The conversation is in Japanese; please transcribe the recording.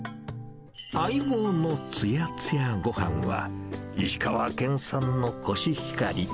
待望のつやつやごはんは、石川県産のコシヒカリ。